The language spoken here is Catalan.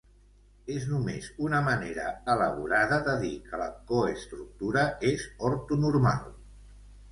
És només una manera elaborada de dir que la coestructura és "ortonormal".